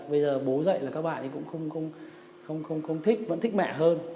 bây giờ bố dạy là các bạn thì cũng không thích vẫn thích mẹ hơn